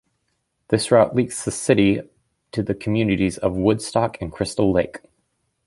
This route links the city to the communities of Woodstock and Crystal Lake.